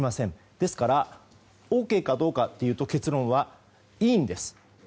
ですから、ＯＫかどうかというと結論は、いいんです。